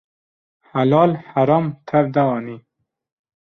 Helal heram tev de anî